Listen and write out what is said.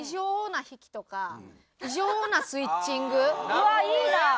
うわあいいな！